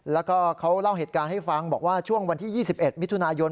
แล้วก็เขาเล่าเหตุการณ์ให้ฟังบอกว่าช่วงวันที่๒๑มิถุนายน